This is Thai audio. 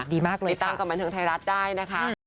ดีมากเลยค่ะติดตามกับแมนเทิงไทยรัฐได้นะคะ